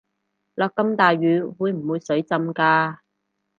落咁大雨會唔會水浸架